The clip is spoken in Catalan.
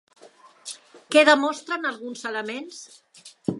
Què demostren alguns elements?